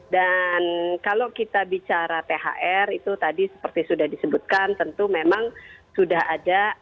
kalau kita bicara thr itu tadi seperti sudah disebutkan tentu memang sudah ada